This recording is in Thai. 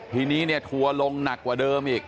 ทีนี้เนี่ยทัวร์ลงหนักกว่าเดิมอีก